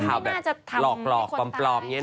ข่าวแบบหลอกหลอกปลอมเยอะมาก